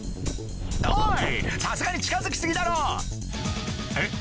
おいさすがに近づき過ぎだろえっ